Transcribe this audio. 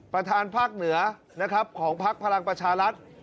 ประธานภาคเหนือนะครับของพักพลังประชารัฐ